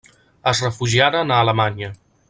Es refugiaren a Alemanya.